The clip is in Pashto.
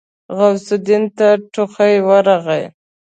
غوث الدين ته ټوخی ورغی.